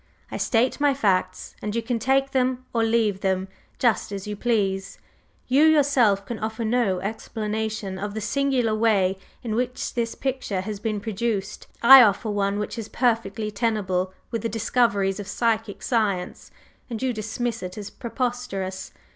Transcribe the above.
I state my facts, and you can take them or leave them, just as you please. You yourself can offer no explanation of the singular way in which this picture has been produced; I offer one which is perfectly tenable with the discoveries of psychic science, and you dismiss it as preposterous.